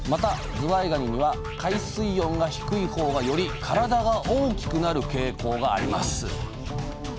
ずわいがにには海水温が低いほうがより体が大きくなる傾向があります